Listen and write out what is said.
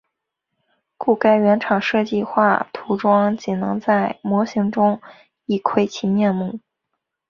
故该原厂计画涂装仅能在模型中一窥其面目。